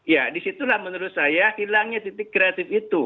ya disitulah menurut saya hilangnya titik kreatif itu